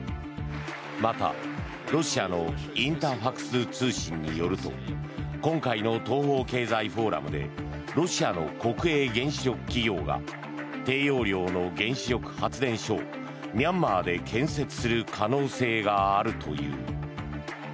またロシアのインタファクス通信によると今回の東方経済フォーラムでロシアの国営原子力企業が低用量の原子力発電所をミャンマーで建設する可能性があるという。